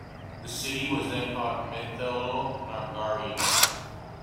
The city was then called 'Mithila Nagari'.